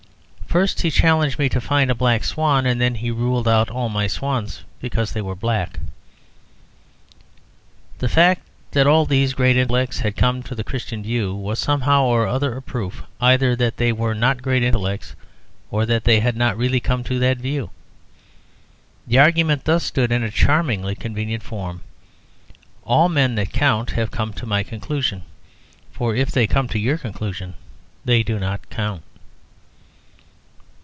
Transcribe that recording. First he challenged me to find a black swan, and then he ruled out all my swans because they were black. The fact that all these great intellects had come to the Christian view was somehow or other a proof either that they were not great intellects or that they had not really come to that view. The argument thus stood in a charmingly convenient form: "All men that count have come to my conclusion; for if they come to your conclusion they do not count."